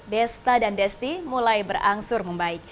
desta dan desti mulai berangsur membaik